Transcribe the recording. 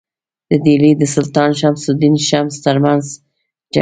د ډهلي د سلطان شمس الدین التمش ترمنځ جګړه.